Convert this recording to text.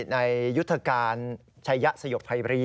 ในยุทธการชายะสยบไพรี